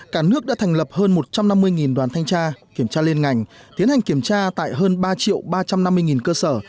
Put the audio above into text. cả nước đã thành lập hơn một trăm năm mươi đoàn thanh tra kiểm tra liên ngành tiến hành kiểm tra tại hơn ba ba trăm năm mươi cơ sở